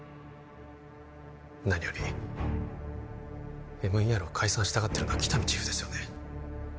何よりＭＥＲを解散したがってるのは喜多見チーフですよね